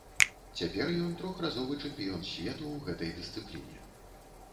Цяпер ён трохразовы чэмпіён свету ў гэтай дысцыпліне.